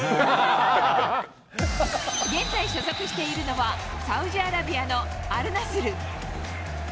現在所属しているのはサウジアラビアのアルナスル。